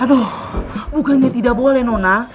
aduh bukannya tidak boleh nona